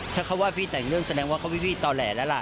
ถ้าเขาว่าพี่แต่งเรื่องแสดงว่าเขาพี่ต่อแหล่แล้วล่ะ